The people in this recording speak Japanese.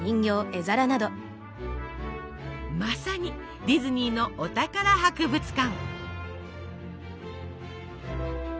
まさにディズニーのお宝博物館！